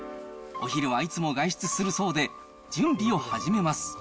お昼はいつも外出するそうで、準備を始めます。